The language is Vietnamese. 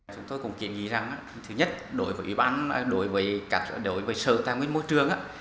chúng tôi cũng kiện nghĩ rằng thứ nhất đối với sở tài nguyên môi trường